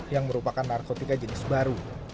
yang merupakan narkotika jenis baru